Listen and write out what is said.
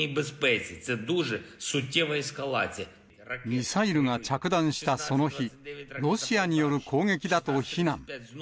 ミサイルが着弾したその日、ロシアによる攻撃だと非難。